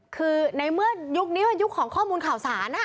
คือในเมื่อยุคนี้เป็นยุคของข้อมูลข่าวสาร